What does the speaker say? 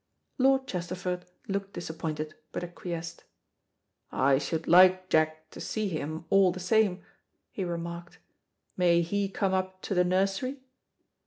Lord Chesterford looked disappointed, but ac quiesced. "I should like Jack to see him all the same," he remarked. "May he come up to the nursery?"